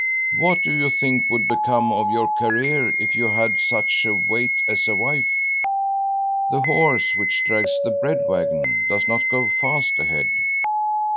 What do you think would become of your career if you had such a weight as a wife? The horse which drags the bread wagon does not go fast ahead.